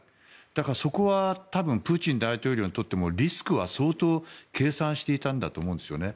だからそこはプーチン大統領にとってもリスクは相当計算していたんだと思うんですね。